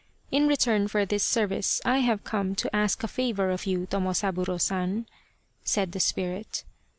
In return for this service I have come to ask a favour of you, Tomosaburo San," said the spirit.